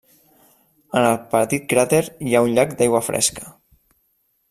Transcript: En el petit cràter hi ha un llac d'aigua fresca.